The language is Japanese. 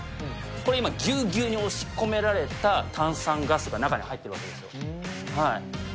これ今、ぎゅうぎゅうに押し込められた炭酸ガスが中に入ってるわけですよ。